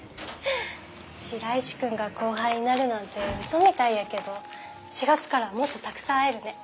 白石君が後輩になるなんてうそみたいやけど４月からはもっとたくさん会えるね。